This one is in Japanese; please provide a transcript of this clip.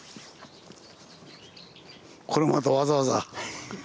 これまたわざわざ。